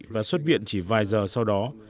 và xuất viện chỉ vài giờ sau đó